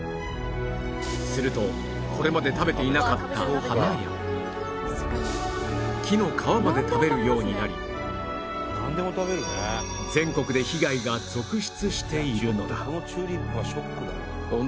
するとこれまで食べていなかった花や樹の皮まで食べるようになり全国で被害が続出しているのだ